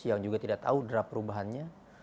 yang juga tidak tahu draft perubahannya